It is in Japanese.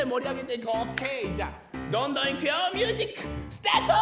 じゃあどんどんいくよミュージックスタート！